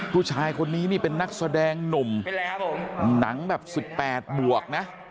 ผู้ชายคนนี้นี่เป็นนักแสดงหนุ่มหนังแบบ๑๘บวกนะ